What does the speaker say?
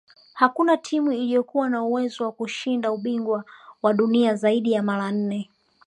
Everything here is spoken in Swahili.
hakuna timu iliyokuwa na uwezo wa kushinda ubingwa wa dunia zaidi ya mara nne